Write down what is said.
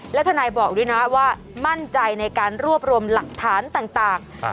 และทนายบอกด้วยนะว่ามั่นใจในการรวบรวมหลักฐานต่าง